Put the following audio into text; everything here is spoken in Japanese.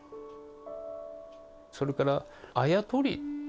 それからあや取り。